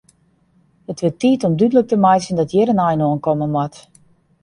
It wurdt tiid om dúdlik te meitsjen dat hjir in ein oan komme moat.